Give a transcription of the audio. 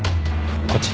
こっち。